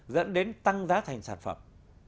dẫn đến tăng giá thành sản phẩm